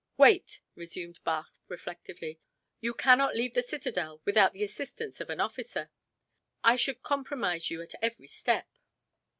"Wait," resumed Bach reflectively. "You cannot leave the citadel without the assistance of an officer. I should compromise you at every step.